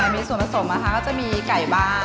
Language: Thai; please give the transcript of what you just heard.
มีส่วนผสมนะคะก็จะมีไก่บ้าง